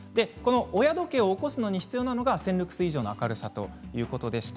親時計を起こすのに必要なのが１０００ルクス以上の明るさということでした。